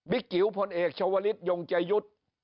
บิ๊กจิ๋วพเอกชวลิศยงจะยุทธ์